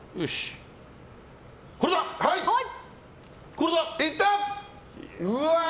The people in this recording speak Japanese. これだ！いった！